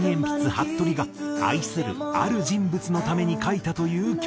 はっとりが愛するある人物のために書いたという曲。